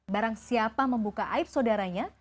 barang siapa membuka aib saudaranya